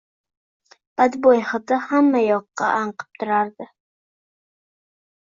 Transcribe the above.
Badbo‘y hidi hammayoqda anqib turadi.